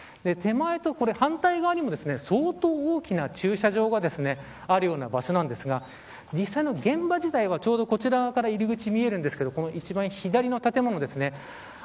手前と反対側にも相当大きな駐車場があるような場所なんですが実際の現場自体はちょうどこちらから入り口見えるんですけど一番左の建物ですね。